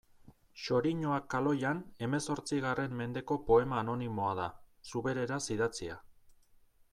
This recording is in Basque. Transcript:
Xoriñoak kaloian hemezortzigarren mendeko poema anonimoa da, zubereraz idatzia.